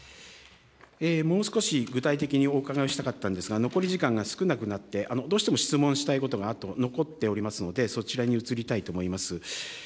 もう少し具体的にお伺いしたかったんですが、残り時間が少なくなって、どうしても質問したいことが、あと残っておりますので、そちらに移りたいと思います。